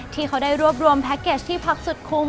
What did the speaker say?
ที่เขาได้รวบรวมแพ็คเกจที่พักสุดคุ้ม